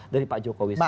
dari pak jokowi sendiri